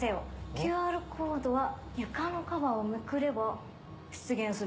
ＱＲコードは床のカバーをめくれば出現する。